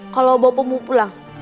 kalau bawa pembunuh pulang